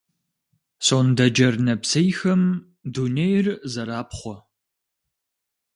Сондэджэр нэпсейхэм дунейр зэрапхъуэ.